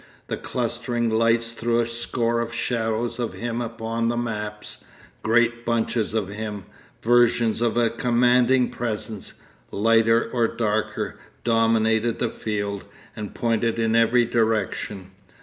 The clustering lights threw a score of shadows of him upon the maps, great bunches of him, versions of a commanding presence, lighter or darker, dominated the field, and pointed in every direction.